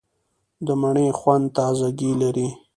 د مڼې خوند تازهګۍ لري.